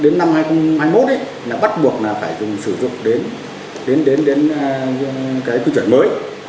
nhưng đến năm hai nghìn hai mươi một bắt buộc phải dùng sử dụng đến cư chuẩn mới